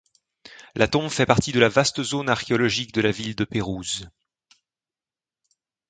La tombe fait partie de la vaste zone archéologique de la ville de Pérouse.